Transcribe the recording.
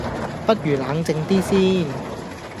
不如冷靜啲先